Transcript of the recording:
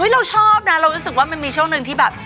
เราชอบนะเรารู้สึกว่ามันมีช่วงหนึ่งที่แบบ